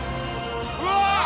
うわ！